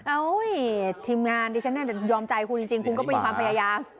ทีมงานดิฉันน่าจะยอมใจคุณจริงคุณก็เป็นความพยายาม